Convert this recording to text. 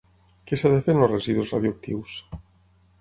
Què s'ha de fer amb els residus radioactius?